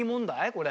これ。